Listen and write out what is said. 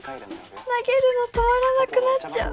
投げるの止まらなくなっちゃう」。